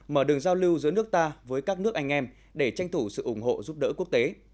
mở đường giao lưu giữa nước ta với các nước anh em để tranh thủ sự ủng hộ giúp đỡ quốc tế